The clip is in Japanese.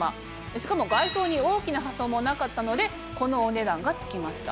しかも外装に大きな破損もなかったのでこのお値段が付きました。